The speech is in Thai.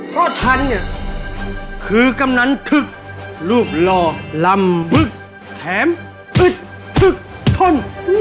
เพราะฉันเนี่ยคือกำนันทึกรูปหล่อลำบึกแถมอึดทึกทน